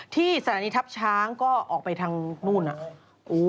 ที่สถานีทัพช้างก็ออกไปทางนู่นน่ะ